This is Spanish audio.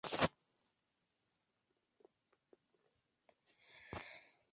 El Doctor y Barbara van en busca de sus compañeros, pues deben marcharse inmediatamente.